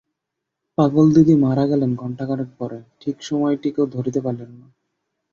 পাগলদিদি মারা গেলেন ঘণ্টাখানেক পরে, ঠিক সময়টি কেহ ধরিতে পারিল না।